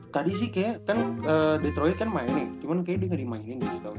tadi sih kayaknya kan detroit kan main nih cuman kayaknya dia ga dimainin sih tau